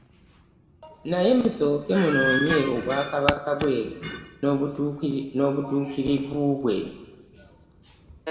Naye musooke munoonye obwakabaka bwe n'obutuukirivu bwe.